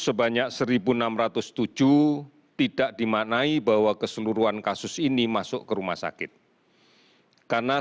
kemudian tinggal jawa bangun jawa tengah